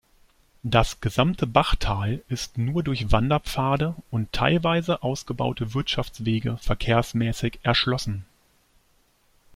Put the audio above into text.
Das gesamte Bachtal ist nur durch Wanderpfade und teilweise ausgebaute Wirtschaftswege verkehrsmäßig erschlossen.